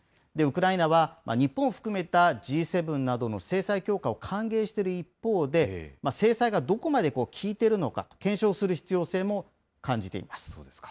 ウクライナは、日本を含めたＧ７などの制裁強化を歓迎している一方で、制裁がどこまで効いてるのか、検証する必要性も感じています。